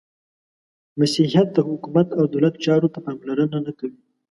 • مسیحیت د حکومت او دولت چارو ته پاملرنه نهکوي.